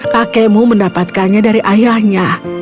pakai mu mendapatkannya dari ayahnya